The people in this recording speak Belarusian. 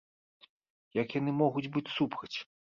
Як яны могуць быць супраць?